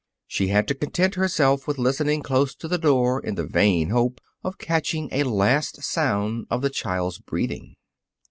She had to content herself with listening close to the door in the vain hope of catching a last sound of the child's breathing.